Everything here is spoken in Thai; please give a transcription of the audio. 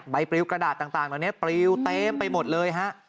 ใบปริ้วกระดาษต่างตอนนี้ปริ้วเต็มไปหมดเลย